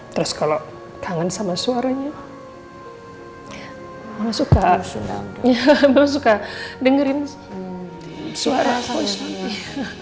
terus kalau kangen sama suaranya mama suka dengerin suara voice nya